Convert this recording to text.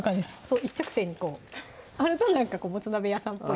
一直線にこうあるとなんかもつ鍋屋さんぽい感じ